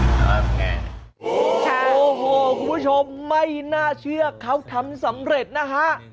นั่นไงโอ้โหคุณผู้ชมไม่น่าเชื่อเขาทำสำเร็จนะฮะ